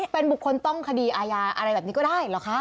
เป็นบุคคลต้องคดีอาญาอะไรแบบนี้ก็ได้เหรอคะ